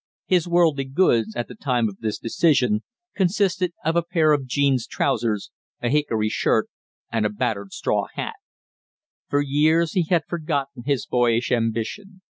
His worldly goods at the time of this decision consisted of a pair of jeans trousers, a hickory shirt, and a battered straw hat. For years he had forgotten his boyish ambition.